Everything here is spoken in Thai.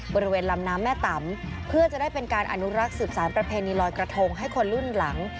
บริเวณลำน้ำแม่ตำเพื่อจะได้เป็นการอนุรักษ์สืบสารประเพณีลอยกระทงให้คนรุ่นหลัง